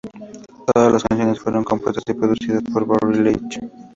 Todas las canciones fueron compuestas y producidas por Barry Leitch.